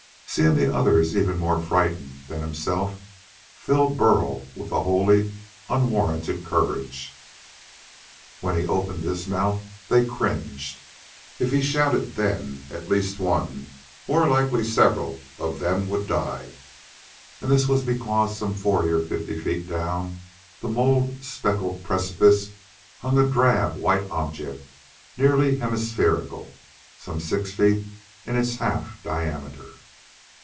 Seeing the others even more frightened than himself filled Burl with a wholly unwarranted courage. When he opened his mouth, they cringed. If he shouted then at least one, more likely several, of them would die. And this was because some forty or fifty feet down the mould speckled precipice hung a drab white object nearly hemispherical, some six feet in its half diameter.